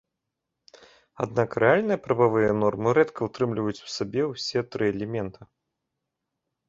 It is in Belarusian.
Аднак рэальныя прававыя нормы рэдка ўтрымліваюць у сабе ўсе тры элемента.